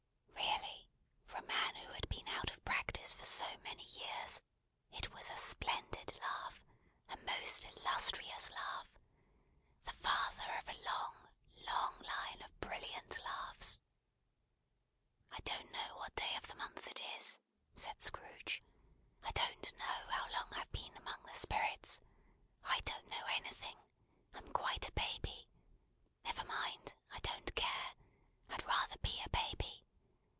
Really, for a man who had been out of practice for so many years, it was a splendid laugh, a most illustrious laugh. The father of a long, long line of brilliant laughs! "I don't know what day of the month it is!" said Scrooge. "I don't know how long I've been among the Spirits. I don't know anything. I'm quite a baby. Never mind. I don't care. I'd rather be a baby.